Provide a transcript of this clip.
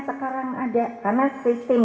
sekarang ada karena sistem